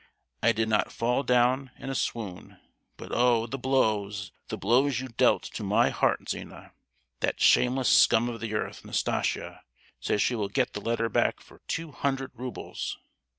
I did not fall down in a swoon; but oh, the blows, the blows you dealt to my heart, Zina! That shameless scum of the earth, Nastasia, says she will get the letter back for two hundred roubles!